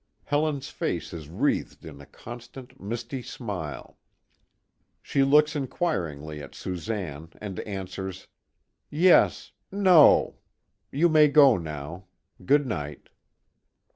Helen's face is wreathed in a constant, misty smile. She looks inquiringly at Susanne and answers: "Yes no you may go now. Good night."